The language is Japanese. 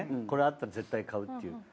これあったら絶対買うっていう。